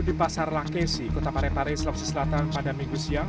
di pasar lakesi kota parepare sulawesi selatan pada minggu siang